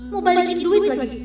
mau balikin duit lagi